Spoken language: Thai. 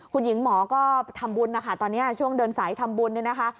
คุณหญิงหมอก็ทำบุญนะคะตอนนี้ช่วงเดินสายทำบุญเนี่ยนะคะ